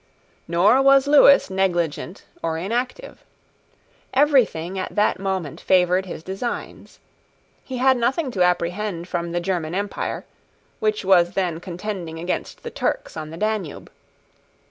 Nor was Lewis negligent or inactive. Everything at that moment favoured his designs. He had nothing to apprehend from the German empire, which was then contending against the Turks on the Danube.